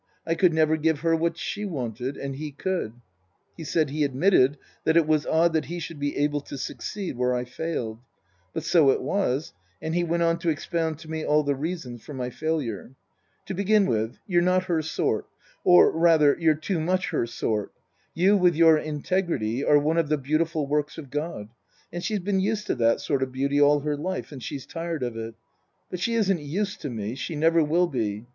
I could never give her what she wanted. And he could. He said he admitted that it was odd that he should be able to succeed where I failed ; but so it was, and he went on to expound to me all the reasons for my failure. " To begin with, you're not her sort ; or, rather, you're too much her sort. You with your integrity are one of the beautiful works of God, and she's been used to that sort of beauty all her life and she's tired of it. But she isn't used to me. She never will be.